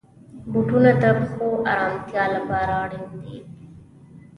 بوټونه د پښو آرامتیا لپاره اړین دي.